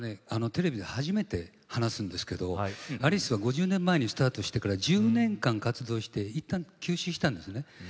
テレビで初めて話すんですけどアリスは５０年前にスタートしてから１０年間、活動していったん、休止したんですね。